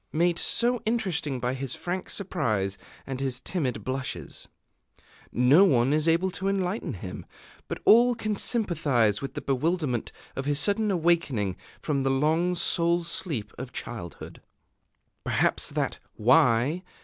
made so interesting by his frank surprise and his timid blushes. No one is able to enlighten him; but all can sympathize with the bewilderment of his sudden awakening from the long soul sleep of childhood. Perhaps that "Why?"